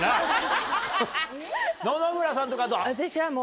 野々村さんとかどう？